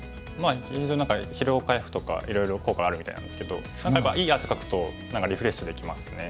非常に何か疲労回復とかいろいろ効果あるみたいなんですけどいい汗かくとリフレッシュできますね。